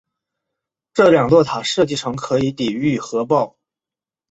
这两座塔设计成可以抵御核爆。